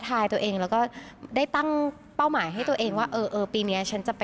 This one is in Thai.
ที่พี่ตูนไปวิ่ง